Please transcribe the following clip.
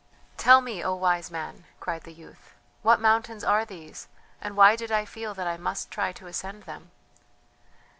"Tell me, O wise man," cried the youth, "what mountains are these, and why did I feel that I must try to ascend them?"